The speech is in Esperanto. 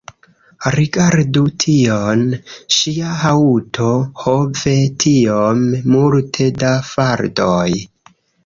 Rigardu tion; ŝia haŭto! ho ve! tiom multe da faldoj